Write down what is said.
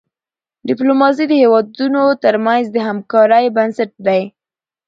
ډيپلوماسي د هېوادونو ترمنځ د همکاری بنسټ دی.